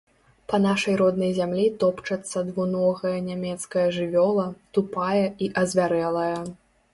Па нашай роднай зямлі топчацца двуногая нямецкая жывёла, тупая і азвярэлая.